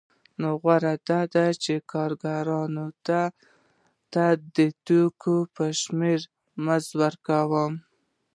نو غوره ده چې کارګرانو ته د توکو په شمېر مزد ورکړم